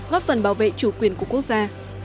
góp phần bảo vệ chủ quyền của quốc gia